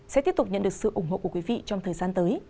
sẽ tiếp tục nhận được sự ủng hộ của quý vị trong thời gian tới